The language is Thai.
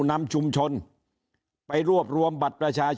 ยิ่งอาจจะมีคนเกณฑ์ไปลงเลือกตั้งล่วงหน้ากันเยอะไปหมดแบบนี้